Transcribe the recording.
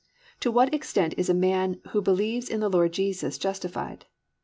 To what extent is a man who believes in the Lord Jesus justified?